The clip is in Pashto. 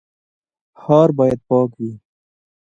ښار باید پاک وي